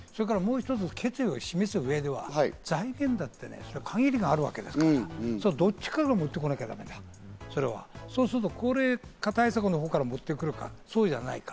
決意を示す上では財源だってね、限りがあるわけですから、どっちから持ってこなきゃいけないか、高齢化対策から持ってくるかそうじゃないか。